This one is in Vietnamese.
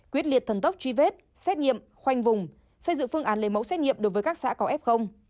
quyết liệt thần tốc truy vết xét nghiệm khoanh vùng xây dựng phương án lấy mẫu xét nghiệm đối với các xã có f